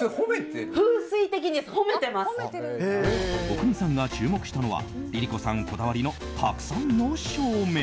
阿国さんが注目したのはＬｉＬｉＣｏさんこだわりのたくさんの照明。